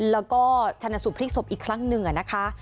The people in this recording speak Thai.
แล้วก็ชนะสูตพลิกศพอีกครั้งหนึ่งนะคะ